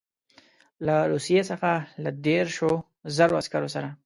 له روسیې څخه له دېرشو زرو عسکرو سره.